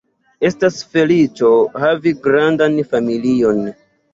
Estas feliĉo havi grandan familion.